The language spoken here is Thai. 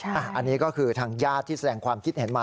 อันนี้ก็คือทางญาติที่แสดงความคิดเห็นมา